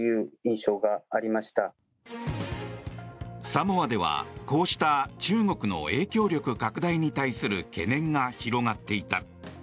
サモアではこうした中国の影響力拡大に対する懸念が広がっていた。